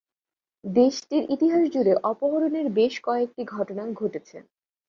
দেশটির ইতিহাস জুড়ে অপহরণের বেশ কয়েকটি ঘটনা ঘটেছে।